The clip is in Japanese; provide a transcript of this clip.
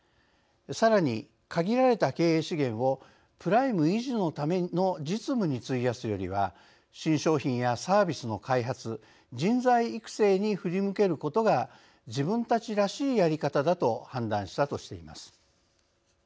さらに、限られた経営資源をプライム維持のための実務に費やすよりは新商品やサービスの開発人材育成に振り向けることが自分たちらしいやり方だと判断したとしています。